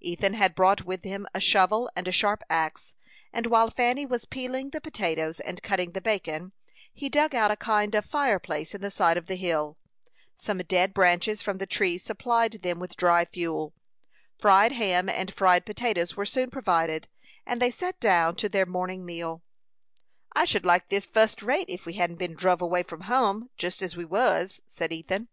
Ethan had brought with him a shovel and a sharp axe, and while Fanny was peeling the potatoes and cutting the bacon, he dug out a kind of fireplace in the side of the hill. Some dead branches from the tree supplied them with dry fuel. Fried ham and fried potatoes were soon provided, and they sat down to their morning meal. "I should like this fust rate if we hadn't been druv away from hum jest as we was," said Ethan.